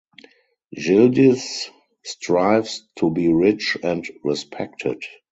Yildiz strives to be rich and respected.